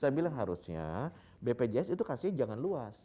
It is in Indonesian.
saya bilang harusnya bpjs itu kasih jangan luas